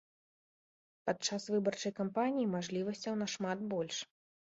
Падчас выбарчай кампаніі мажлівасцяў нашмат больш.